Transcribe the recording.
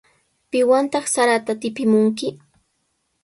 ¿Piwantaq sarata tipimunki?